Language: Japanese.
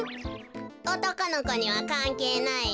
おとこのこにはかんけいないの。